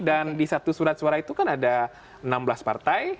dan di satu surat suara itu kan ada enam belas partai